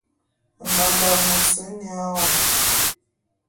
Mbamba’a e mos nya wom.